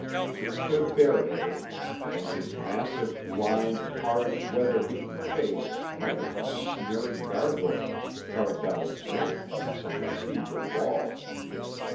He stood bareheaded, and his massive, lined, hard, weather beaten face might have been a sneering gargoyle's, carved out of granite on some cathedral wall.